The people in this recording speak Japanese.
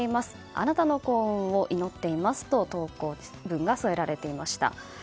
あなたの幸運を祈っていますと分が添えられていました。